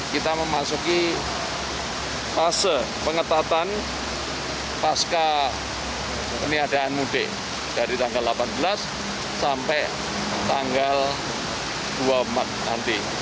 kita memasuki fase pengetatan pasca peniadaan mudik dari tanggal delapan belas sampai tanggal dua puluh empat nanti